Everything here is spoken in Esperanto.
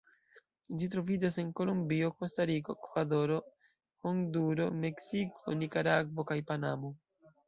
Ĝi troviĝas en Kolombio, Kostariko, Ekvadoro, Honduro, Meksiko, Nikaragvo kaj Panamo.